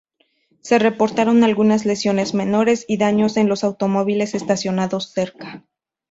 Se reportaron algunas lesiones menores y daños en los automóviles estacionados cerca.